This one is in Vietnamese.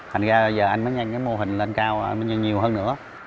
thành ra giờ anh mới ngăn cái mô hình lên cao nhiều hơn nữa